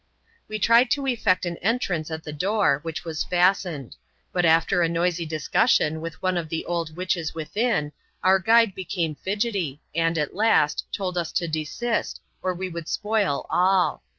We tried to effect an entrance at the door, which was fastened, but, after a noisy discussion with one of the old witches within^ our guide became fidgety, and, at last, told us to desist, or we would spoil all.